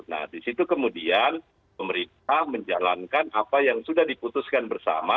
nah disitu kemudian pemerintah menjalankan apa yang sudah diputuskan bersama